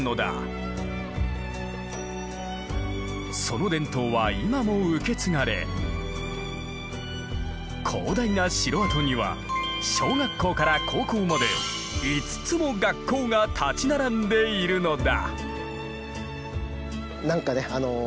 その伝統は今も受け継がれ広大な城跡には小学校から高校まで５つも学校が立ち並んでいるのだ！